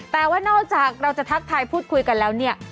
แต่ว่านอกจากเราจะทักทายพูดคุยกันแล้วเนี่ย